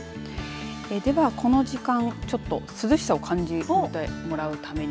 ではこの時間涼しさを感じてもらうために。